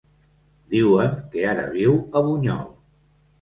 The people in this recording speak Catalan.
Diuen que ara viu a Bunyol.